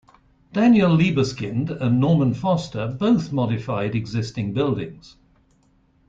Daniel Libeskind and Norman Foster both modified existing buildings.